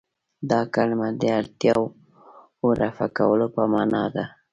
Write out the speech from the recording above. دا کلمه د اړتیاوو رفع کولو په معنا ده.